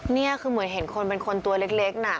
นี่คือเหมือนเห็นคนเป็นคนตัวเล็กน่ะ